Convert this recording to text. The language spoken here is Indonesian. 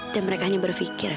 dan mereka hanya berpikir